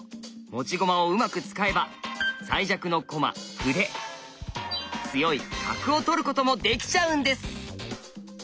持ち駒をうまく使えば最弱の駒歩で強い角を取ることもできちゃうんです！